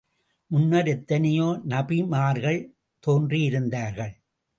முன்னர், எத்தனையோ நபிமார்கள் தோன்றியிருந்தார்கள்.